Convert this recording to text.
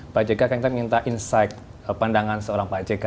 pak jk kami minta insight pandangan seorang pak jk